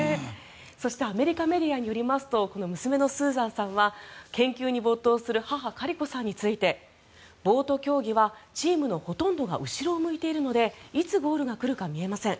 そしてアメリカメディアによりますとこの娘のスーザンさんは研究に没頭する母・カリコさんについてボート競技はチームのほとんどが後ろを向いているのでいつゴールが来るか見えません。